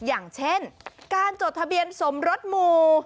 อย่างเช่นการจดทะเบียนสมรสหมู่